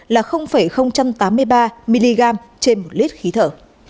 là tám mươi ba mg trên một lít khí thở